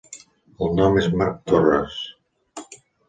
El nom es Marc Torres.